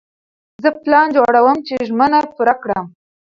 زه پلان جوړوم چې ژمنه پوره کړم.